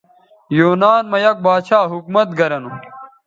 یونان مہ یک باچھا حکومت گرہ نو